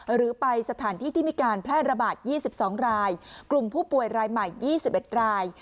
หรือไปสถานที่ที่มีการแพร่ระบาด๒๒รายกลุ่มผู้ป่วยรายใหม่๒๑ราย